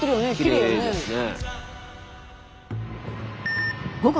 きれいですね。